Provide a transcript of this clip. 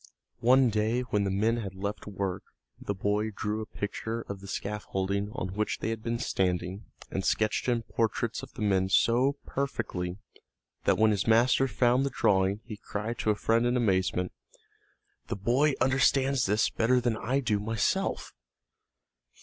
One day when the men had left work the boy drew a picture of the scaffolding on which they had been standing and sketched in portraits of the men so perfectly that when his master found the drawing he cried to a friend in amazement, "The boy understands this better than I do myself!"